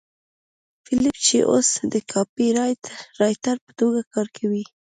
فیلیپ چې اوس د کاپيرایټر په توګه کار کوي